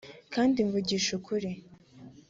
kandi mvugishije ukuri